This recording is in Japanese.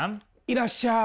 いらっしゃい。